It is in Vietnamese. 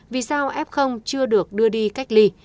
vì sao f chưa được đưa đi cách ly